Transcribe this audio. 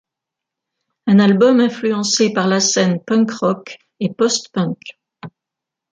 Un album influencé par la scène punk rock et post-punk.